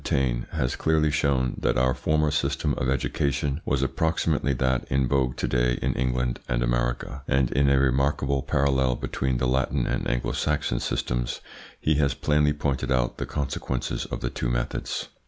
Taine, has clearly shown that our former system of education was approximately that in vogue to day in England and America, and in a remarkable parallel between the Latin and Anglo Saxon systems he has plainly pointed out the consequences of the two methods.